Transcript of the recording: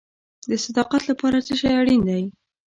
د صداقت لپاره څه شی اړین دی؟